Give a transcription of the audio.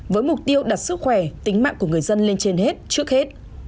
với mục tiêu đặt sức khỏe tính mạng của người dân lên trên hết trước hết